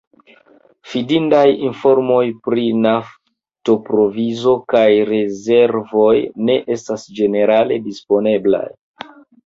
Fidindaj informoj pri nafto-provizo kaj -rezervoj ne estas ĝenerale disponeblaj.